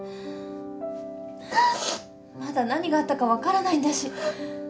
まだ何があったか分からないんだし。